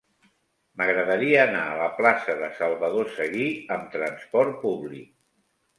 M'agradaria anar a la plaça de Salvador Seguí amb trasport públic.